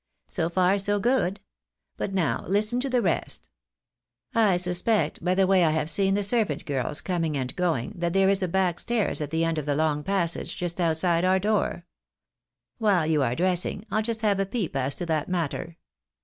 So far, so good. But now listen to the rest. I suspect, by the way I have seen the servant girls coming and going, that there is a back stairs at the end of the long passage just outside our door. While you are dressing, I'll just have a peep as to that matter.